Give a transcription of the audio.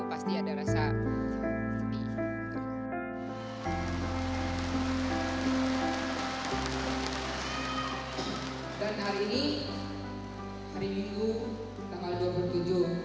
pasti ada rasa sedih